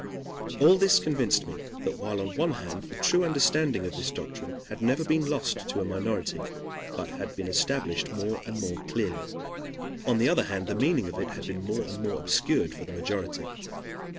All this convinced me that while on one hand the true understanding of this doctrine had never been lost to a minority, but had been established more and more clearly, on the other hand the meaning of it had been more and more obscured for the majority.